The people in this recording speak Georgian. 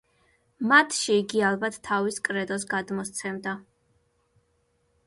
მათში იგი ალბათ თავის კრედოს გადმოსცემდა.